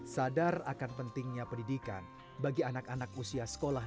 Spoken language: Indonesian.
sadar akan pentingnya pendidikan bagi anak anak usia sekolah